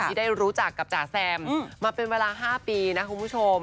ที่ได้รู้จักกับจ๋าแซมมาเป็นเวลา๕ปีนะคุณผู้ชม